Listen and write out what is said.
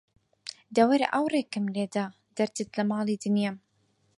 دە وەرە ئاوڕێکم لێدە، دەردت لە ماڵی دنیام